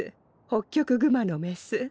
ホッキョクグマのメス。